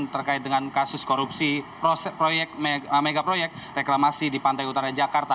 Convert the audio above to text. terkait dengan kasus korupsi proyek megaproyek reklamasi di pantai utara jakarta